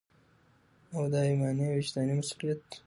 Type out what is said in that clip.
او دا ایماني او وجداني مسؤلیت